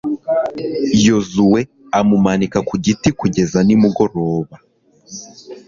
yozuwe amumanika ku giti kugeza nimugoroba